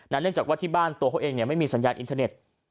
เนื่องจากว่าที่บ้านตัวเขาเองไม่มีสัญญาณอินเทอร์เน็ต